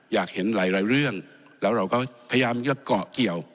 อยากเห็นหลายเรื่องแล้วเราก็พยายามจะเกาะเกี่ยว